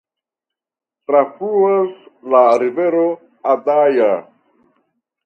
Trafluas la rivero Adaja.